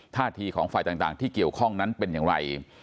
ท่าทีของฝ่ายต่างที่เกี่ยวข้องนั้นเป็นอย่างไร